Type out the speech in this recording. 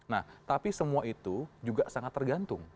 nah tapi semua itu juga sangat tergantung